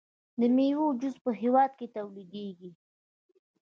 د میوو جوس په هیواد کې تولیدیږي.